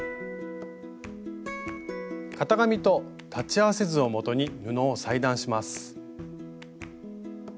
型紙と裁ち合わせ図をもとに布を裁断します。